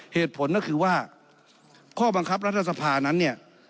เหตุผลก็คือว่าข้อบังคับรัฐสภานั้นเนี่ย